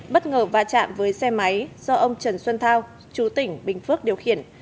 bất ngờ va chạm với xe máy do ông trần xuân thao chú tỉnh bình phước điều khiển